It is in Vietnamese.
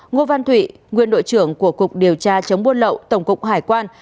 ngô văn thụy nguyên đội trưởng của cục điều tra chống buôn lậu tổng cục hải quan